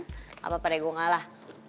gapapa deh gue ngalah